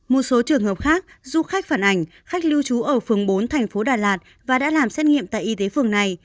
một số trường hợp khác du khách phản ảnh khách lưu trú ở phường bốn thành phố đà lạt và đã làm xét nghiệm tại y tế phường này